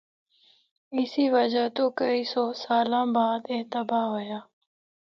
اسی وجہ تو کئی سو سالاں بعد اے تباہ ہویا۔